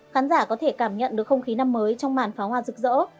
khán giả có thể cảm nhận được không khí năm mới trong màn pháo hoa rực rỡ